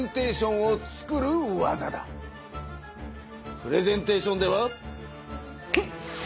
プレゼンテーションではフンッ！